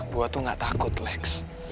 gue tuh gak takut lex